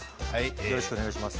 よろしくお願いします。